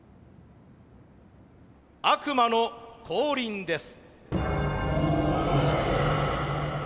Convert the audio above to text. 悪魔の降臨です。